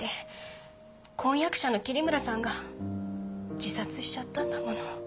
婚約者の桐村さんが自殺しちゃったんだもの。